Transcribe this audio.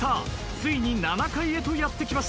ついに７階へとやって来ました。